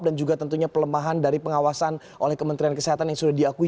dan juga tentunya pelemahan dari pengawasan oleh kementerian kesehatan yang sudah diakui